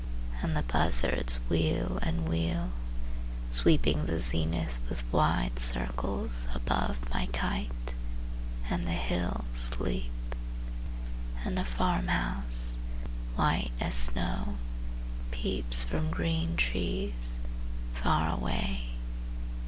And the buzzards wheel and wheel, Sweeping the zenith with wide circles Above my kite. And the hills sleep. And a farm house, white as snow, Peeps from green trees—far away.